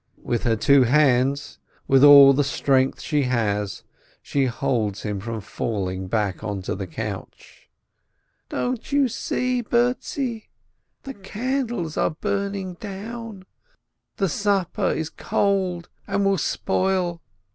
With her two hands, with all the strength she has, she holds him from falling back onto the couch. "Don't you see, Bertzi? The candles are burning down, the supper is cold and will spoil.